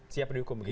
siap dihukum begitu